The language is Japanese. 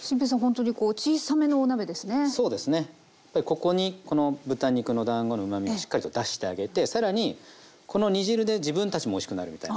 ここにこの豚肉のだんごのうまみをしっかりと出してあげて更にこの煮汁で自分たちもおいしくなるみたいな。